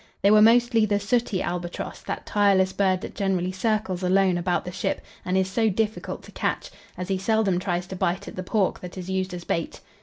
They were mostly the sooty albatross, that tireless bird that generally circles alone about the ship and is so difficult to catch, as he seldom tries to bite at the pork that is used as bait.